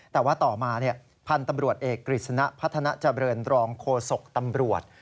แต่ว่าต่อมาพันธุ์ตำรวจเอกกฤษณะพัฒนาเจริญรองโฆษกตำรวจ